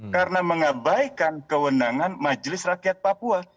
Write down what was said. karena mengabaikan kewenangan majelis rakyat papua